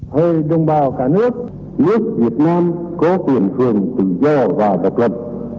hơi đông bào cả nước nước việt nam có quyền hưởng tự do và độc lập